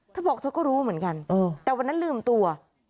เธอบอกเธอก็รู้เหมือนกันแต่วันนั้นลืมตัว